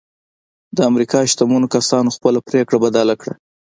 د امريکا شتمنو کسانو خپله پرېکړه بدله کړه.